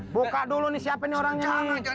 buka dulu nih siapa nih orangnya